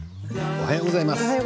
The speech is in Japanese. おはようございます。